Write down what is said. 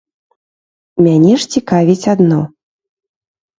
Мяне ж цікавіць адно.